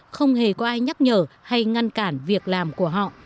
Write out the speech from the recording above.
không hề có ai nhắc nhở hay ngăn cản việc làm của họ